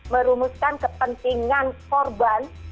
merumuskan kepentingan korban